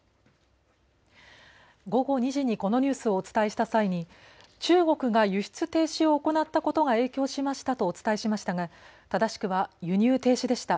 午後２時にこのニュースをお伝えした際に中国が輸出停止を行ったことが影響しましたとお伝えしましたが正しくは輸入停止でした。